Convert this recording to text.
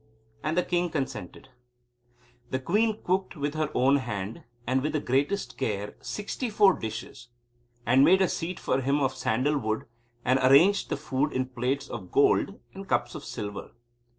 And the king consented. The queen cooked with her own hand, and with the greatest care, sixty four dishes, and made a seat for him of sandal wood, and arranged the food in plates of gold and cups of silver.